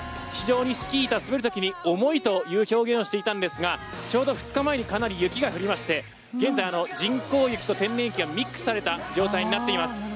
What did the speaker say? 非常にスキー板滑る時に重いという表現をしていましたがちょうど２日前にかなり雪が降りまして現在、人工雪と天然雪がミックスされた状態になっています。